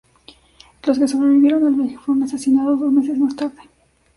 Los que sobrevivieron al viaje fueron asesinados dos meses más tarde.